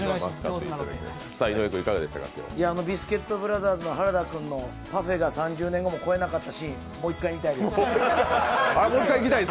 ビスケットブラザーズの原田君のパフェが３０年後も超えなかったしもう１回見たいです。